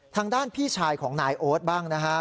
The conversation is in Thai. ทางด้านพี่ชายของนายโอ๊ตบ้างนะฮะ